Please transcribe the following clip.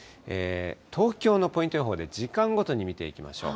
東京のポイント予報で時間ごとに見ていきましょう。